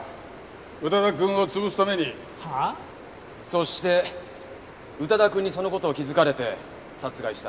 そして宇多田くんにその事を気づかれて殺害した。